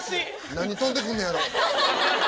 何飛んでくんねやろ。